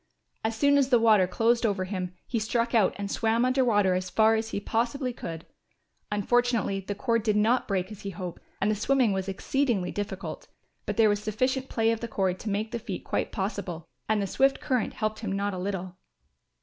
As soon as the water closed over him he struck out and swam under water as far as he possibly could. Unfortunately the cord did not break as he hoped and the swimming was exceedingly difficult, but there was sufficient play of cord to make the feat quite possible, and the swift current helped him not a little.